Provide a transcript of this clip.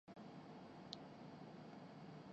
قدرت کتنی خوب صورت ہے